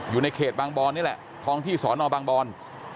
อยู่ในเขตบางบอนนี่แหละท้องที่สอนอบางบอน